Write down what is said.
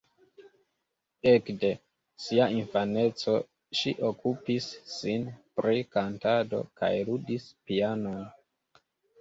Ekde sia infaneco ŝi okupis sin pri kantado kaj ludis pianon.